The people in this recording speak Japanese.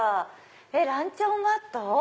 えっランチョンマット？